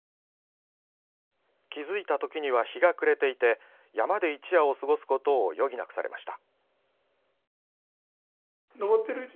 気付いた時には日が暮れていて山で一夜を過ごすことを余儀なくされました。